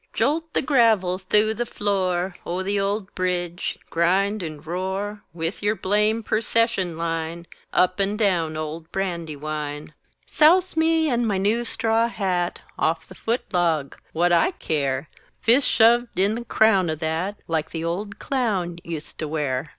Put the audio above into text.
Jolt the gravel th'ough the floor O' the old bridge! grind and roar With yer blame percession line Up and down old Brandywine! Souse me and my new straw hat Off the foot log! what I care? Fist shoved in the crown o' that Like the old Clown ust to wear.